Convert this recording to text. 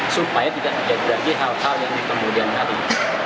supaya tidak terjadi hal hal yang dikemudian hari